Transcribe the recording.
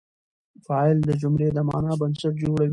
فاعل د جملې د معنی بنسټ جوړوي.